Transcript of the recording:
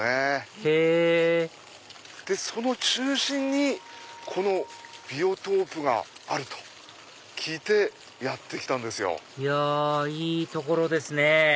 へぇでその中心にこのビオトープがあると聞いてやって来たんですよ。いやいい所ですね